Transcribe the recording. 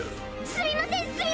すいません！